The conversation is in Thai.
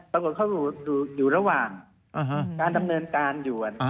ปรากฏเขาอยู่ระหว่างการดำเนินการอยู่